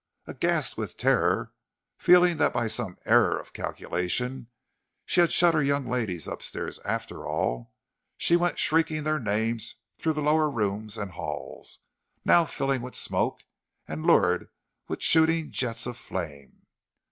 Aghast with terror, fearing that by some error of calculation she had shut her young ladies up stairs after all, she went shrieking their names through the lower rooms and halls, now filling with smoke and lurid with shooting jets of flame.